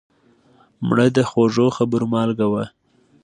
مړه د خوږو خبرو مالګه وه